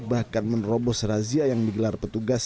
bahkan menerobos razia yang digelar petugas